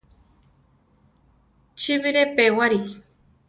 Chi bire pewari.